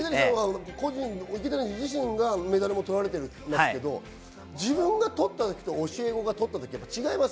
池谷さん自身がメダルも取られてますけれど、自分が取った時と教え子が取ったときと違います？